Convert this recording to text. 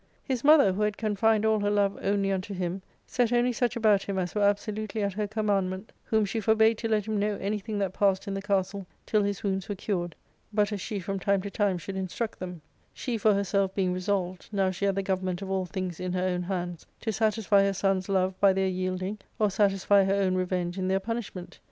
His mother, who had confined all her love only unto him, set only such about him as were absolutely at her commandment, whom she forbad to let him know anything that passed in the castle till his wounds were cured, but as she from time to time should instruct them ; she, for herself, being resolved, now she had the government of all things in her own hands, to satisfy her son's love by their* yielding, or satisfy her own revenge in their punishment.